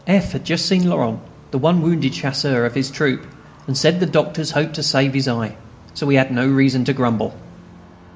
F. had just seen Laurent, the one wounded Chasseur of his troop, and said the doctors hoped to save his eye; so we had no reason to grumble.